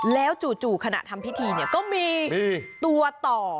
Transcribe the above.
แล้วจู่ขณะทำพิธีก็มีตัวต่อ